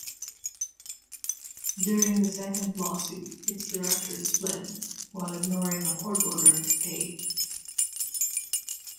During the second lawsuit its directors fled, while ignoring a court order to pay.